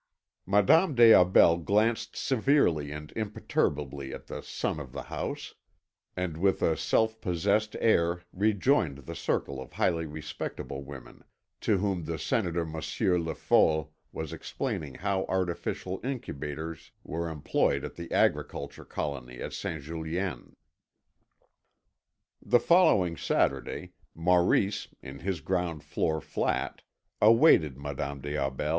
Madame des Aubels glanced severely and imperturbably at the son of the house, and with a self possessed air rejoined the circle of highly respectable women to whom the Senator Monsieur Le Fol was explaining how artificial incubators were employed at the agricultural colony at St. Julienne. The following Saturday, Maurice, in his ground floor flat, awaited Madame des Aubels.